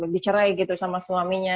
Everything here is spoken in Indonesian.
dicerai sama suaminya